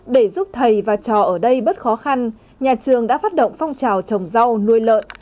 để giúp thầy và trò ở đây bớt khó khăn nhà trường đã phát động phong trào trồng rau nuôi lợn